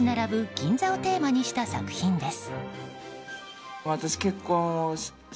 銀座をテーマにした作品です。